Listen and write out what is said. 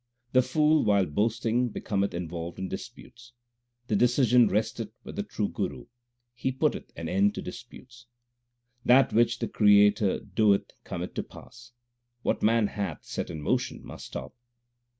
The fool while boasting becometh involved in disputes : The decision resteth with the True Guru ; He putteth an end to disputes. That which the Creator doeth cometh to pass ; what man hath set in motion must stop.